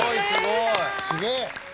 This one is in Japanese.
すげえ。